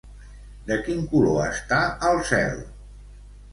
De quin color està el cel?